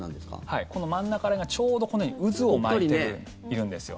はい、この真ん中ら辺がちょうどこのように渦を巻いているんですよ。